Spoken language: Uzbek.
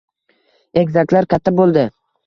Egizaklar katta bo`ldi